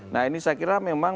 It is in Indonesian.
nah ini saya kira memang